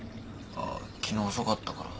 あっ昨日遅かったから。